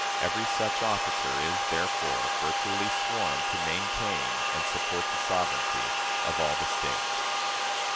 Every such officer is, therefore, virtually sworn to maintain and support the sovereignty of all the States.